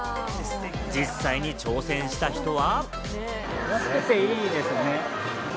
実際に挑戦した人は。